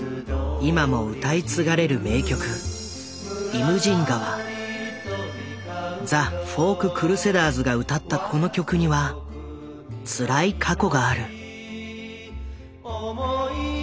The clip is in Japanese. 今も歌い継がれる名曲ザ・フォーク・クルセダーズが歌ったこの曲にはつらい過去がある。